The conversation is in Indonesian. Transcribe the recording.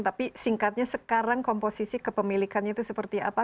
tapi singkatnya sekarang komposisi kepemilikannya itu seperti apa